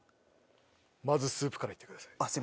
まずスープから行ってください。